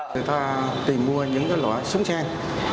người ta tìm mua những loại súng săn